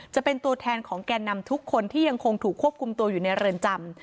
จะเป็นตัวแทนของแก่นำทุกคนที่ยังคงถูกควบคุมตัวอยู่ในเรือนจำ